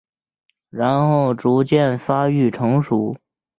然后逐渐发育成熟。